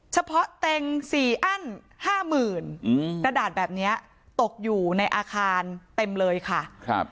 เต็ง๔อั้น๕๐๐๐กระดาษแบบนี้ตกอยู่ในอาคารเต็มเลยค่ะ